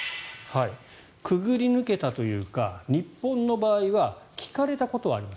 くぐり抜けたというか日本の場合は聞かれたことはあります。